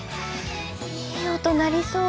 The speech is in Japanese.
いい音鳴りそう。